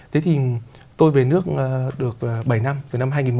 thế thì tôi về nước được bảy năm từ năm hai nghìn một mươi